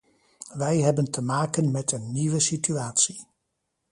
Wij hebben te maken met een nieuwe situatie.